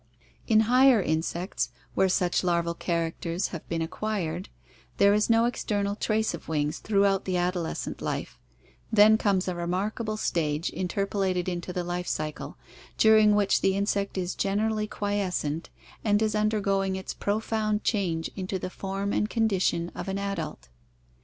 In higher insects, where such larval characters have been ac quired, there is no external trace of wings throughout the adolescent life, then comes a remarkable stage interpolated into the life cycle, INSECTS 441 during which the insect is generally quiescent and is undergoing its profound change into the form and condition of an adult.